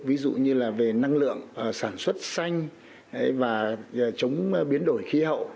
ví dụ như là về năng lượng sản xuất xanh và chống biến đổi khí hậu